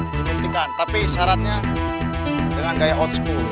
dikertikan tapi syaratnya dengan gaya old school